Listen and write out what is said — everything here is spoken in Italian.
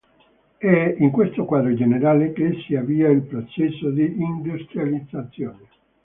È in questo quadro generale che si avvia il processo di industrializzazione.